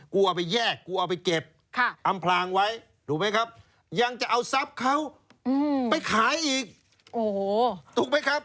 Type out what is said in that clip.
เอาไปแยกกูเอาไปเก็บอำพลางไว้ถูกไหมครับยังจะเอาทรัพย์เขาไปขายอีกโอ้โหถูกไหมครับ